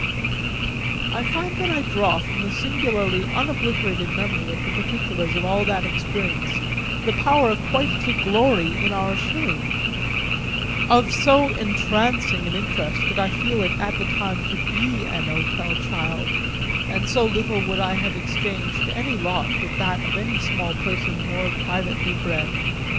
I find that I draw from the singularly unobliterated memory of the particulars of all that experience the power quite to glory in our shame; of so entrancing an interest did I feel it at the time to be an hotel child, and so little would I have exchanged my lot with that of any small person more privately bred.